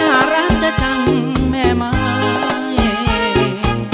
น่ารักจะทั้งแม่ไม้